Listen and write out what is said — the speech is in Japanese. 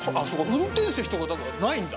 運転席とかだからないんだ。